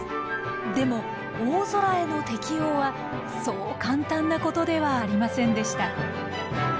でも大空への適応はそう簡単なことではありませんでした。